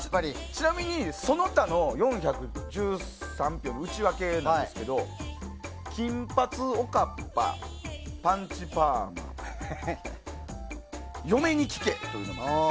ちなみにその他の４１３票の内訳ですが金髪、おかっぱ、パンチパーマ嫁に聞けというのもあります。